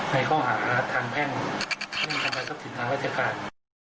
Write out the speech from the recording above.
ในโครงหาธรรมแห้งเพื่อทำให้ทรัพย์ถึงทางวัฒนาวิทยาคาร